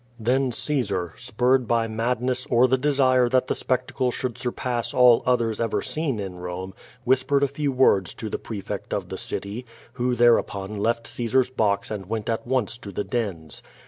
Then Caesar, spurred by madness or the desire that the spectacle should sur])ass all others ever seen in Bome, whispered a few words to the prefect of the city, who thereupon left Caesar's box and went at once to the dens.